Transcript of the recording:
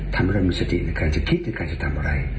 ทำให้เรามีสติในการจะคิดในการจะทำอะไร